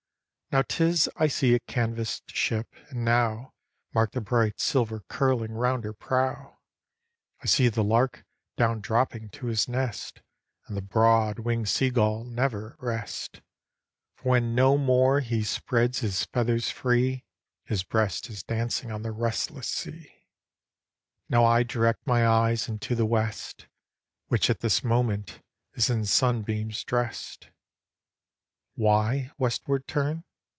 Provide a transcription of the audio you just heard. Now 'tis I see a canvass'd ship, and now Mark the bright silver curling round her prow. I see the lark down dropping to his nest, i\nd the broad winged sea gull never at rest ; For when no more he spreads his feathers free. His breast is dancing on the restless sea. Now I direct my eyes into the west. Which at this moment is in sunbeams drest : Why westward turn